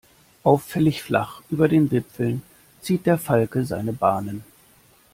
Auffällig flach über den Wipfeln zieht der Falke seine Bahnen.